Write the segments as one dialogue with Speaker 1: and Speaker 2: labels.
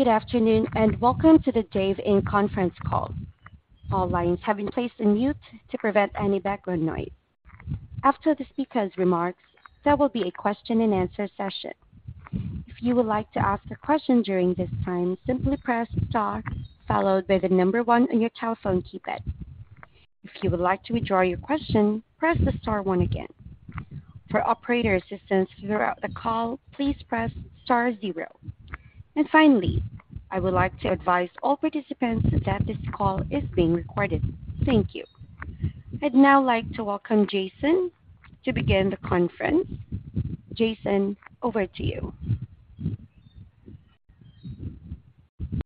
Speaker 1: Good afternoon and welcome to the Dave Inc. conference call. All lines have been placed on mute to prevent any background noise. After the speaker's remarks, there will be a question and answer session. If you would like to ask a question during this time, simply press star followed by 1 on your telephone keypad. If you would like to withdraw your question, press the star 1 again. For operator assistance throughout the call, please press star 0. Finally, I would like to advise all participants that this call is being recorded. Thank you. I'd now like to welcome Jason to begin the conference. Jason, over to you.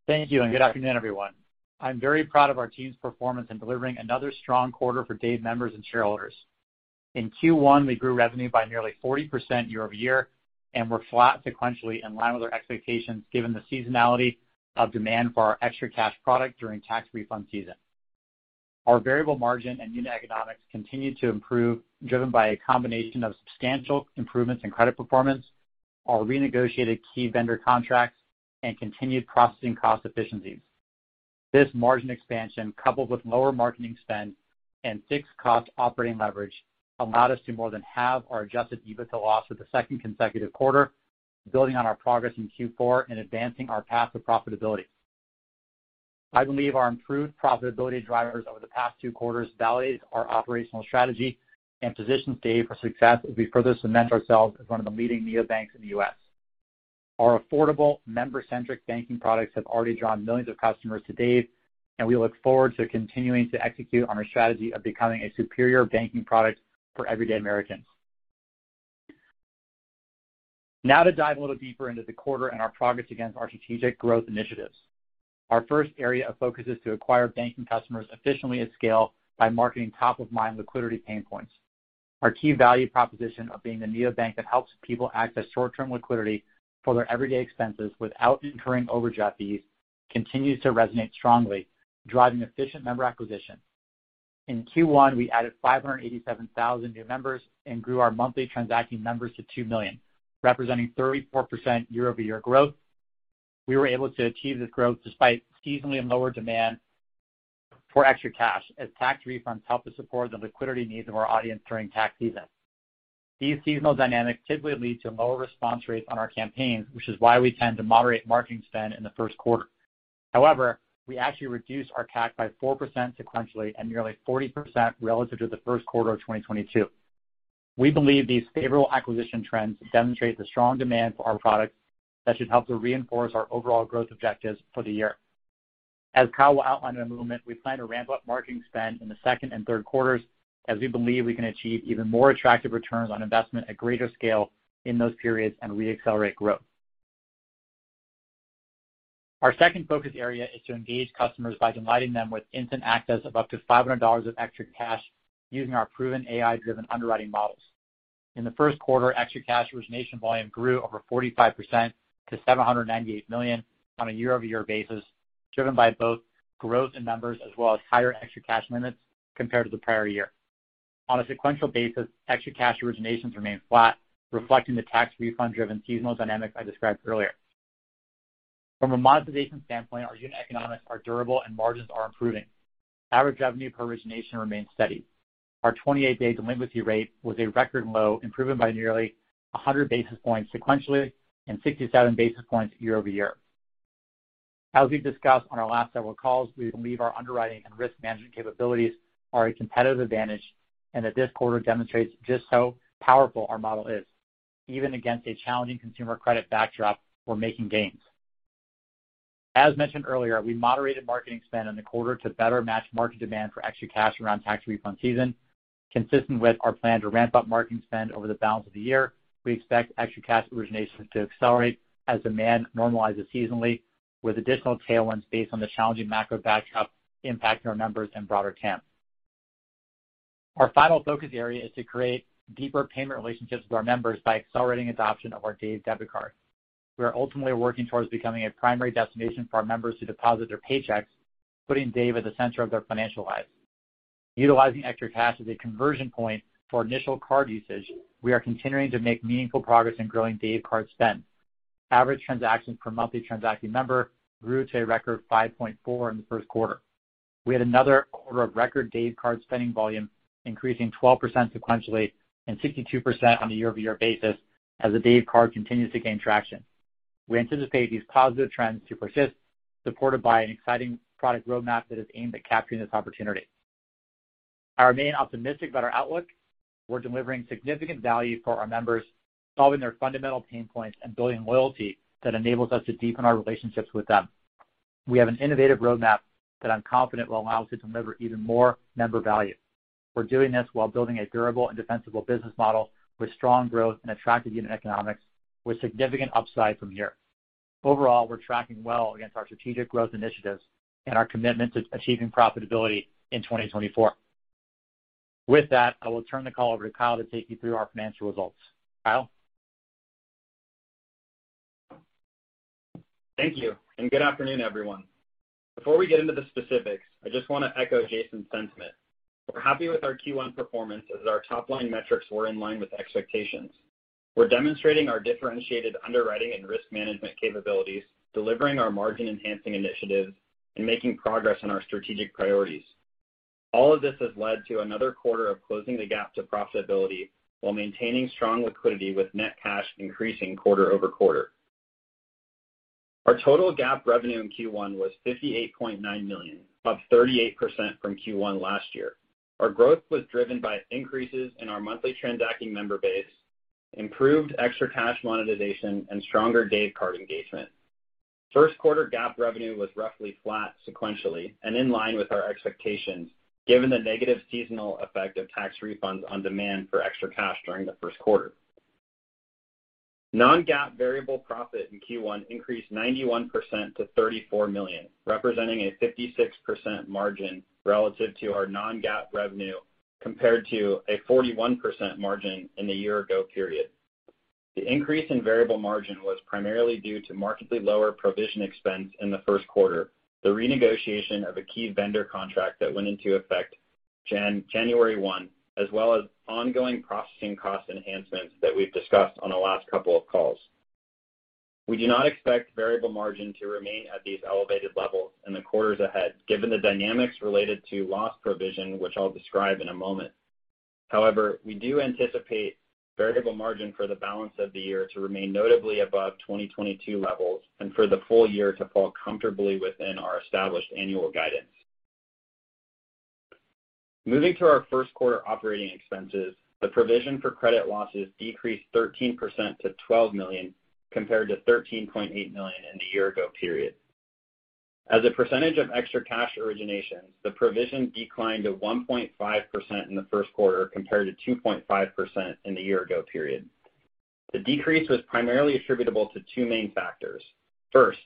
Speaker 2: Thank you, and good afternoon, everyone. I'm very proud of our team's performance in delivering another strong quarter for Dave members and shareholders. In Q1, we grew revenue by nearly 40% year-over-year, and we're flat sequentially in line with our expectations, given the seasonality of demand for our ExtraCash product during tax refund season. Our variable margin and unit economics continued to improve, driven by a combination of substantial improvements in credit performance, our renegotiated key vendor contracts, and continued processing cost efficiencies. This margin expansion, coupled with lower marketing spend and fixed cost operating leverage, allowed us to more than halve our Adjusted EBITDA loss for the second consecutive quarter, building on our progress in Q4 and advancing our path to profitability. I believe our improved profitability drivers over the past 2 quarters validates our operational strategy and positions Dave for success as we further cement ourselves as one of the leading neobanks in the U.S. Our affordable, member-centric banking products have already drawn millions of customers to Dave. We look forward to continuing to execute on our strategy of becoming a superior banking product for everyday Americans. To dive a little deeper into the quarter and our progress against our strategic growth initiatives. Our first area of focus is to acquire banking customers efficiently at scale by marketing top-of-mind liquidity pain points. Our key value proposition of being the neobank that helps people access short-term liquidity for their everyday expenses without incurring overdraft fees continues to resonate strongly, driving efficient member acquisition. In Q1, we added 587,000 new members and grew our Monthly Transacting Members to 2 million, representing 34% year-over-year growth. We were able to achieve this growth despite seasonally lower demand for ExtraCash, as tax refunds help to support the liquidity needs of our audience during tax season. These seasonal dynamics typically lead to lower response rates on our campaigns, which is why we tend to moderate marketing spend in the first quarter. However, we actually reduced our CAC by 4% sequentially and nearly 40% relative to the first quarter of 2022. We believe these favorable acquisition trends demonstrate the strong demand for our products that should help to reinforce our overall growth objectives for the year. As Kyle will outline in a moment, we plan to ramp up marketing spend in the second and third quarters as we believe we can achieve even more attractive returns on investment at greater scale in those periods and reaccelerate growth. Our second focus area is to engage customers by delighting them with instant access of up to $500 of ExtraCash using our proven AI-driven underwriting models. In the first quarter, ExtraCash origination volume grew over 45% to $798 million on a year-over-year basis, driven by both growth in members as well as higher ExtraCash limits compared to the prior year. On a sequential basis, ExtraCash originations remained flat, reflecting the tax refund-driven seasonal dynamics I described earlier. From a monetization standpoint, our unit economics are durable and margins are improving. Average revenue per origination remains steady. Our 28-Day delinquency rate was a record low, improving by nearly 100 basis points sequentially and 67 basis points year-over-year. As we've discussed on our last several calls, we believe our underwriting and risk management capabilities are a competitive advantage and that this quarter demonstrates just how powerful our model is. Even against a challenging consumer credit backdrop, we're making gains. As mentioned earlier, we moderated marketing spend in the quarter to better match market demand for ExtraCash around tax refund season. Consistent with our plan to ramp up marketing spend over the balance of the year, we expect ExtraCash originations to accelerate as demand normalizes seasonally, with additional tailwinds based on the challenging macro backdrop impacting our members and broader trend. Our final focus area is to create deeper payment relationships with our members by accelerating adoption of our Dave Debit Card. We are ultimately working towards becoming a primary destination for our members to deposit their paychecks, putting Dave at the center of their financial lives. Utilizing ExtraCash as a conversion point for initial card usage, we are continuing to make meaningful progress in growing Dave Card spend. Average transactions per Monthly Transacting Member grew to a record 5.4 in the first quarter. We had another quarter of record Dave Card spending volume, increasing 12% sequentially and 62% on a year-over-year basis as the Dave Card continues to gain traction. We anticipate these positive trends to persist, supported by an exciting product roadmap that is aimed at capturing this opportunity. I remain optimistic about our outlook. We're delivering significant value for our members, solving their fundamental pain points and building loyalty that enables us to deepen our relationships with them. We have an innovative roadmap that I'm confident will allow us to deliver even more member value. We're doing this while building a durable and defensible business model with strong growth and attractive unit economics with significant upside from here. Overall, we're tracking well against our strategic growth initiatives and our commitment to achieving profitability in 2024. With that, I will turn the call over to Kyle to take you through our financial results. Kyle?
Speaker 3: Thank you, good afternoon, everyone. Before we get into the specifics, I just wanna echo Jason's sentiment. We're happy with our Q1 performance as our top-line metrics were in line with expectations. We're demonstrating our differentiated underwriting and risk management capabilities, delivering our margin-enhancing initiatives and making progress on our strategic priorities. All of this has led to another quarter of closing the gap to profitability while maintaining strong liquidity with net cash increasing quarter-over-quarter. Our total GAAP revenue in Q1 was $58.9 million, up 38% from Q1 last year. Our growth was driven by increases in our Monthly Transacting Members base, improved ExtraCash monetization, and stronger Dave Card engagement. First quarter GAAP revenue was roughly flat sequentially and in line with our expectations, given the negative seasonal effect of tax refunds on demand for ExtraCash during the first quarter. non-GAAP variable profit in Q1 increased 91% to $34 million, representing a 56% margin relative to our non-GAAP revenue, compared to a 41% margin in the year-ago period. The increase in variable margin was primarily due to markedly lower provision expense in the first quarter, the renegotiation of a key vendor contract that went into effect January 1, as well as ongoing processing cost enhancements that we've discussed on the last couple of calls. We do not expect variable margin to remain at these elevated levels in the quarters ahead, given the dynamics related to loss provision, which I'll describe in a moment. We do anticipate variable margin for the balance of the year to remain notably above 2022 levels and for the full year to fall comfortably within our established annual guidance. Moving to our first quarter operating expenses, the provision for credit losses decreased 13% to $12 million, compared to $13.8 million in the year-ago period. As a percentage of ExtraCash originations, the provision declined to 1.5% in the first quarter compared to 2.5% in the year-ago period. The decrease was primarily attributable to 2 main factors. First,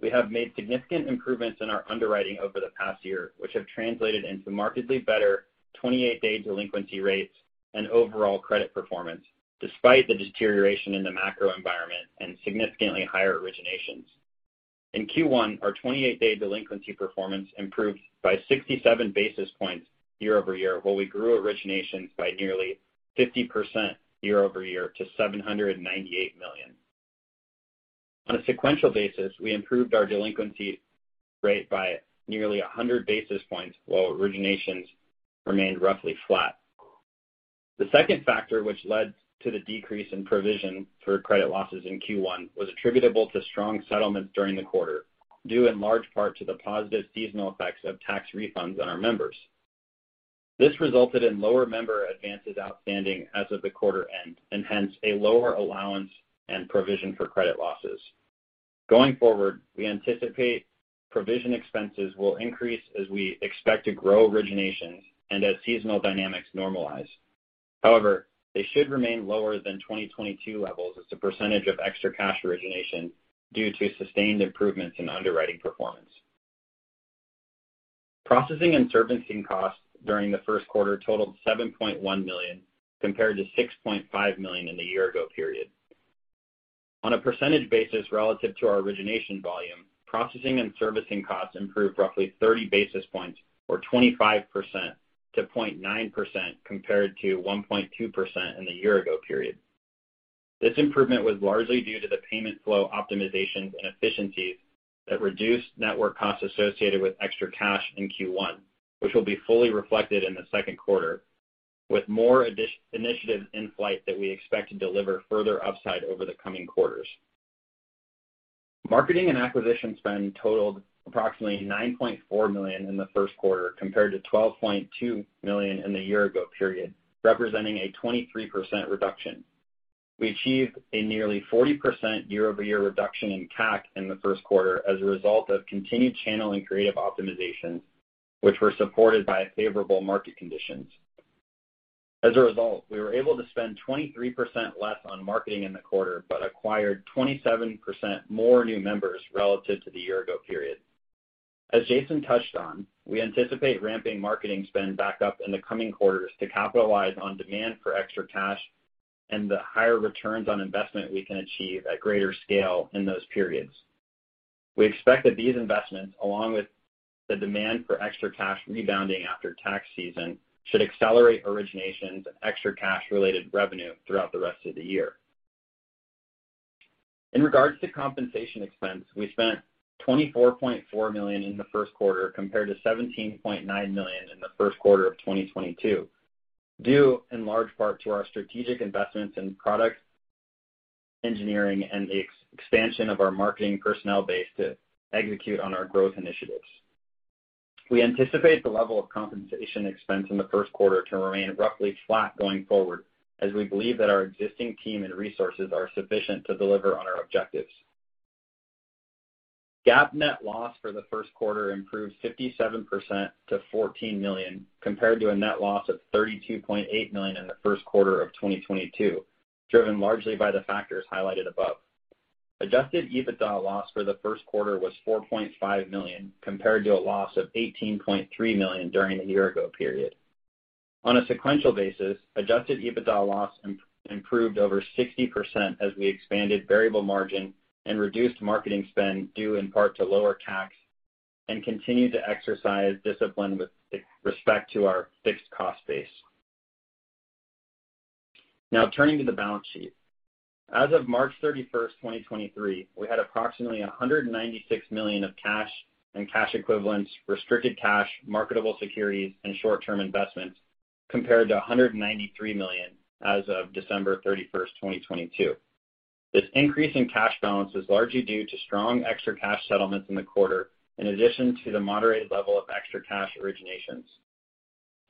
Speaker 3: we have made significant improvements in our underwriting over the past year, which have translated into markedly better 28-Day delinquency rates and overall credit performance, despite the deterioration in the macro environment and significantly higher originations. In Q1, our 28-Day delinquency performance improved by 67 basis points year-over-year, while we grew originations by nearly 50% year-over-year to $798 million. On a sequential basis, we improved our delinquency rate by nearly 100 basis points while originations remained roughly flat. The second factor which led to the decrease in provision for credit losses in Q1 was attributable to strong settlements during the quarter, due in large part to the positive seasonal effects of tax refunds on our members. This resulted in lower member advances outstanding as of the quarter end, and hence a lower allowance and provision for credit losses. Going forward, we anticipate provision expenses will increase as we expect to grow originations and as seasonal dynamics normalize. However, they should remain lower than 2022 levels as a % of ExtraCash origination due to sustained improvements in underwriting performance. Processing and servicing costs during the first quarter totaled $7.1 million, compared to $6.5 million in the year ago period. On a percentage basis relative to our origination volume, processing and servicing costs improved roughly 30 basis points or 25% to 0.9% compared to 1.2% in the year-ago period. This improvement was largely due to the payment flow optimizations and efficiencies that reduced network costs associated with ExtraCash in Q1, which will be fully reflected in the second quarter, with more initiatives in flight that we expect to deliver further upside over the coming quarters. Marketing and acquisition spend totaled approximately $9.4 million in the first quarter compared to $12.2 million in the year-ago period, representing a 23% reduction. We achieved a nearly 40% year-over-year reduction in CAC in the first quarter as a result of continued channel and creative optimizations, which were supported by favorable market conditions. We were able to spend 23% less on marketing in the quarter, but acquired 27% more new members relative to the year-ago period. As Jason touched on, we anticipate ramping marketing spend back up in the coming quarters to capitalize on demand for ExtraCash and the higher ROI we can achieve at greater scale in those periods. We expect that these investments, along with the demand for ExtraCash rebounding after tax season, should accelerate originations and ExtraCash-related revenue throughout the rest of the year. In regards to compensation expense, we spent $24.4 million in the first quarter compared to $17.9 million in the first quarter of 2022, due in large part to our strategic investments in product engineering and the expansion of our marketing personnel base to execute on our growth initiatives. We anticipate the level of compensation expense in the first quarter to remain roughly flat going forward as we believe that our existing team and resources are sufficient to deliver on our objectives. GAAP net loss for the first quarter improved 57% to $14 million compared to a net loss of $32.8 million in the first quarter of 2022, driven largely by the factors highlighted above. Adjusted EBITDA loss for the first quarter was $4.5 million compared to a loss of $18.3 million during the year ago period. On a sequential basis, Adjusted EBITDA loss improved over 60% as we expanded variable margin and reduced marketing spend, due in part to lower tax, and continued to exercise discipline with respect to our fixed cost base. Turning to the balance sheet. As of March 31st, 2023, we had approximately $196 million of cash and cash equivalents, restricted cash, marketable securities, and short-term investments, compared to $193 million as of December 31st, 2022. This increase in cash balance is largely due to strong ExtraCash settlements in the quarter, in addition to the moderate level of ExtraCash originations.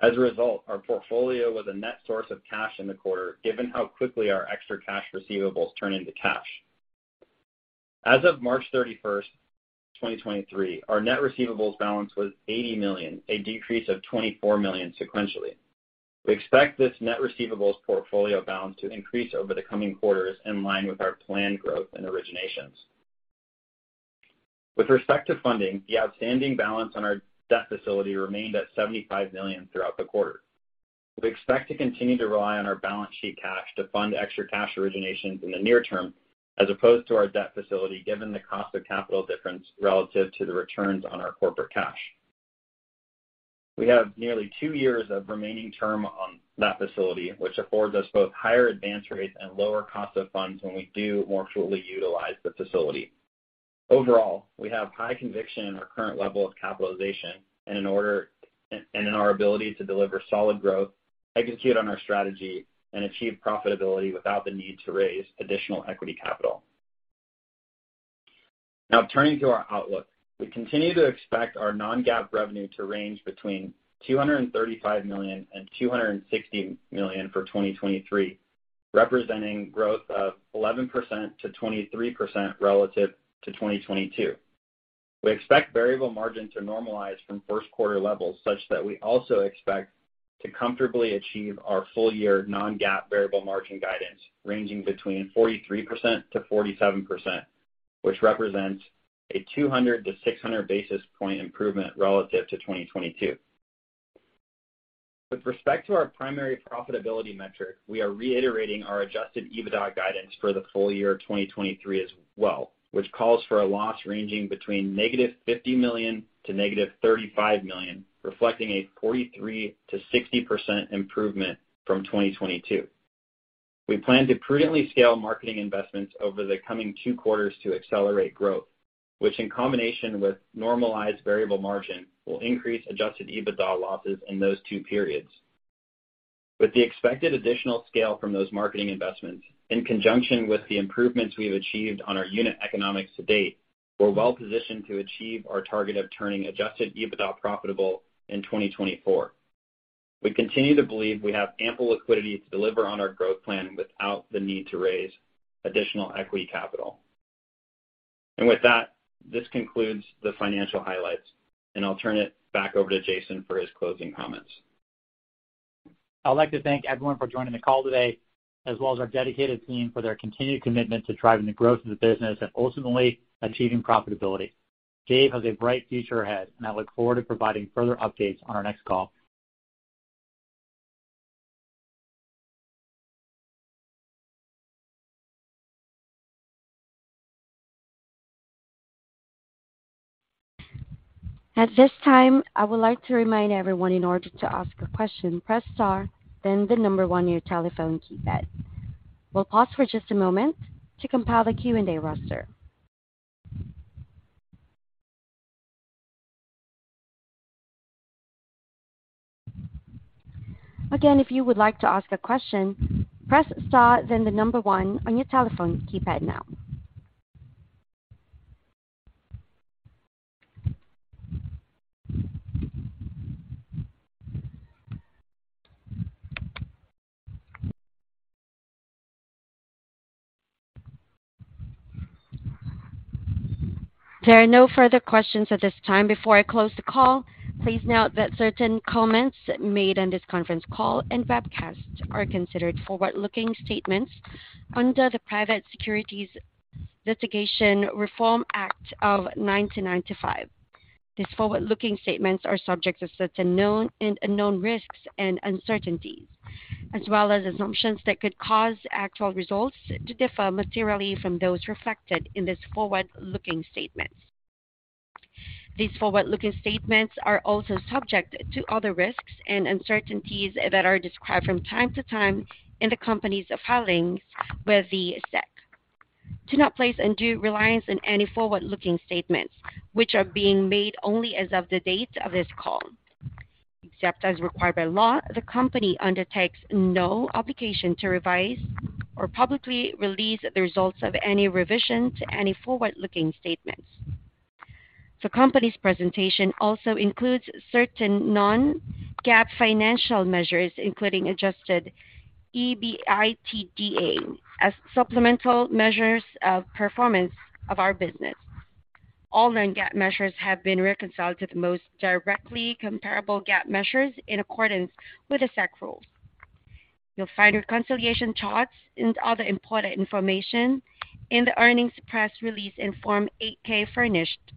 Speaker 3: As a result, our portfolio was a net source of cash in the quarter, given how quickly our ExtraCash receivables turn into cash. As of March 31st, 2023, our net receivables balance was $80 million, a decrease of $24 million sequentially. We expect this net receivables portfolio balance to increase over the coming quarters in line with our planned growth and originations. With respect to funding, the outstanding balance on our debt facility remained at $75 million throughout the quarter. We expect to continue to rely on our balance sheet cash to fund ExtraCash originations in the near term, as opposed to our debt facility, given the cost of capital difference relative to the returns on our corporate cash. We have nearly 2 years of remaining term on that facility, which affords us both higher advance rates and lower cost of funds when we do more fully utilize the facility. Overall, we have high conviction in our current level of capitalization, and in order and in our ability to deliver solid growth, execute on our strategy, and achieve profitability without the need to raise additional equity capital. Turning to our outlook. We continue to expect our non-GAAP revenue to range between $235 million-$260 million for 2023, representing growth of 11%-23% relative to 2022. We expect variable margin to normalize from first quarter levels such that we also expect to comfortably achieve our full year non-GAAP variable margin guidance ranging between 43%-47% which represents a 200 to 600 basis point improvement relative to 2022. With respect to our primary profitability metric, we are reiterating our Adjusted EBITDA guidance for the full year 2023 as well, which calls for a loss ranging between -$50 million to -$35 million, reflecting a 43%-60% improvement from 2022. We plan to prudently scale marketing investments over the coming 2 quarters to accelerate growth, which in combination with normalized variable margin will increase Adjusted EBITDA losses in those 2 periods. With the expected additional scale from those marketing investments, in conjunction with the improvements we have achieved on our unit economics to date, we're well-positioned to achieve our target of turning Adjusted EBITDA profitable in 2024. We continue to believe we have ample liquidity to deliver on our growth plan without the need to raise additional equity capital. With that, this concludes the financial highlights, and I'll turn it back over to Jason for his closing comments.
Speaker 2: I'd like to thank everyone for joining the call today, as well as our dedicated team for their continued commitment to driving the growth of the business and ultimately achieving profitability. Dave has a bright future ahead, and I look forward to providing further updates on our next call.
Speaker 1: At this time, I would like to remind everyone in order to ask a question, press star then the number 1 on your telephone keypad. We'll pause for just a moment to compile the Q&A roster. Again, if you would like to ask a question, press star then the number 1 on your telephone keypad now. There are no further questions at this time. Before I close the call, please note that certain comments made on this conference call and webcast are considered forward-looking statements under the Private Securities Litigation Reform Act of 1995. These forward-looking statements are subject to certain known and unknown risks and uncertainties, as well as assumptions that could cause actual results to differ materially from those reflected in these forward-looking statement. These forward-looking statements are also subject to other risks and uncertainties that are described from time to time in the company's filings with the SEC. Do not place undue reliance on any forward-looking statements which are being made only as of the date of this call. Except as required by law, the company undertakes no obligation to revise or publicly release the results of any revision to any forward-looking statements. The company's presentation also includes certain non-GAAP financial measures, including Adjusted EBITDA, as supplemental measures of performance of our business. All non-GAAP measures have been reconciled to the most directly comparable GAAP measures in accordance with the SEC rules. You'll find reconciliation charts and other important information in the earnings press release and Form 8-K furnished to